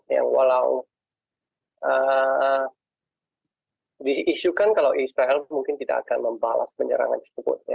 yang walau diisukan kalau israel mungkin tidak akan membalas penyerangan tersebut